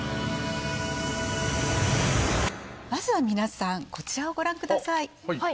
まずは皆さん、こちらをご覧ください。